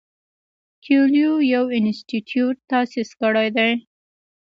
کویلیو یو انسټیټیوټ تاسیس کړی دی.